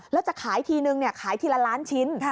แล้วจะขายทีนึงขายทีละล้านชิ้น